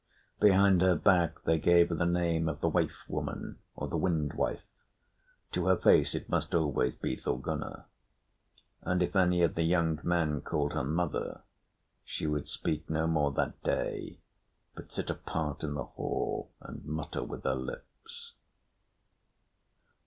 Behind her back they gave her the name of the Waif Woman or the Wind Wife; to her face it must always be Thorgunna. And if any of the young men called her mother, she would speak no more that day, but sit apart in the hall and mutter with her lips.